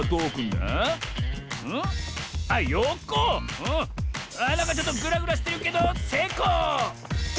なんかちょっとぐらぐらしてるけどせいこう！